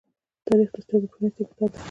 تاریخ د سترگو پرانیستی کتاب دی.